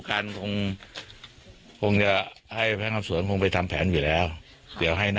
ก็อาวุธที่ใช้